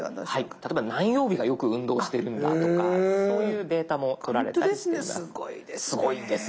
例えば何曜日がよく運動してるんだとかそういうデータもとられたりしています。